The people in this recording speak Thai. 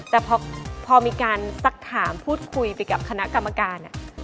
แต่พอมีการสักถามพูดคุยไปกับคณะกรรมการ